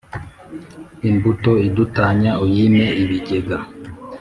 Imbuto idutanya uyime ibigega.